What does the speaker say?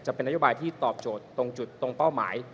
จะเป็นนโยบายที่ตอบโจทย์ตรงจุดตรงเป้าหมาย